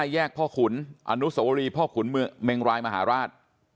แยกพ่อขุนอนุสวรีพ่อขุนเมงรายมหาราช